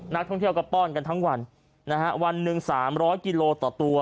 นักท่องเที่ยวก็ป้อนกันทั้งวันนะฮะวันหนึ่ง๓๐๐กิโลต่อตัว